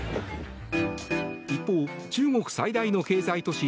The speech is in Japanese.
一方、中国最大の経済都市